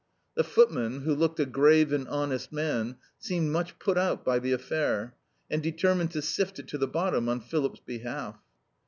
The footman (who looked a grave and honest man) seemed much put out by the affair, and determined to sift it to the bottom on Philip's behalf.